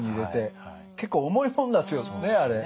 結構重いもんなんですよねあれ。